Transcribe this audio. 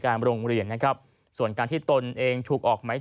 โรงเรียนนะครับส่วนการที่ตนเองถูกออกไหม